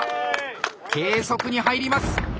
計測に入ります。